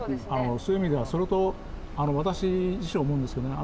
そういう意味では私自身思うんですけどね